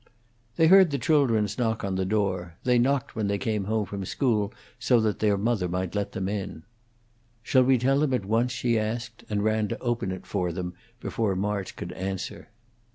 They heard the children's knock on the door; they knocked when they came home from school so that their mother might let them in. "Shall we tell them at once?" she asked, and ran to open for them before March could answer.